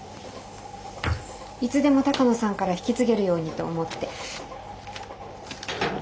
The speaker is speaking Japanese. いつでも鷹野さんから引き継げるようにと思って。